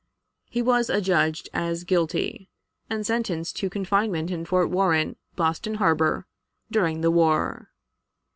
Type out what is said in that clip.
'" He was adjudged as guilty, and sentenced to confinement in Fort Warren, Boston Harbor, during the war.